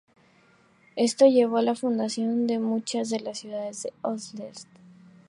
Esto llevó a la fundación de muchas de las ciudades del Ulster.